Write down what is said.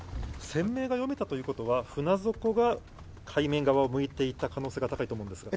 船名が読めたということは、船底が海面側を向いていた可能性が高いと思うんですが？